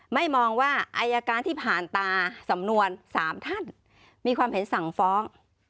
มองว่าอายการที่ผ่านตาสำนวน๓ท่านมีความเห็นสั่งฟ้อง